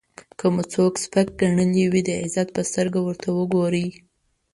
که مو څوک سپک ګڼلی وي د عزت په سترګه ورته وګورئ.